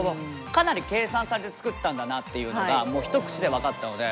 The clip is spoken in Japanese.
かなり計算されて作ったんだなっていうのがもう一口で分かったので。